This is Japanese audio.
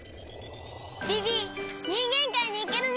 ビビにんげんかいにいけるね。